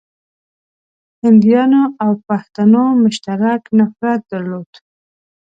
هنديانو او پښتنو مشترک نفرت درلود.